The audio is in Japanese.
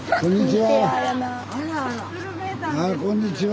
こんにちは。